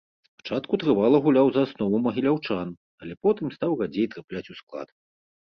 Спачатку трывала гуляў за аснову магіляўчан, але потым стаў радзей трапляць у склад.